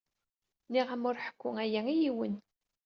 Nniɣ-am ur ḥekku aya i yiwen.